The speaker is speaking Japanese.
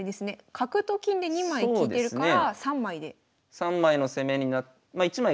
角と金で２枚利いてるから３枚で。